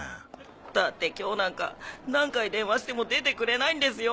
だって今日なんか何回電話しても出てくれないんですよ。